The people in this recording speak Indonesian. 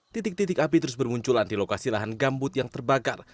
titik titik api terus bermunculan di lokasi lahan gambut yang terbakar